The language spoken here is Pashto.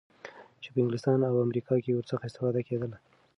چی په انګلستان او امریکا کی ورڅخه اسفتاده کیدل